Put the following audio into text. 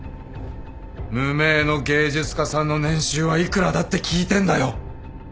無名の芸術家さんの年収は幾らだって聞いてんだよ。